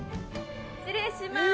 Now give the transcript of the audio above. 失礼しまーす